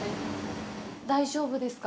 大丈夫ですか？